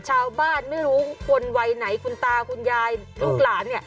ชาวบ้านไม่รู้คนวัยไหนคุณตาคุณยายลูกหลานเนี่ย